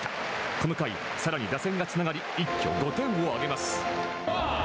この回、さらに打線がつながり一挙５点を挙げます。